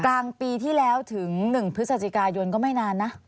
กลางปีที่แล้วถึง๑พฤศจิกายนก็ไม่นานนะ